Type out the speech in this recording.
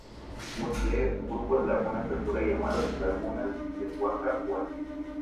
Posee un grupo de lagunas de altura llamadas: lagunas de Huaca Huasi.